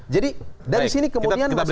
jadi dari sini kemudian masyarakat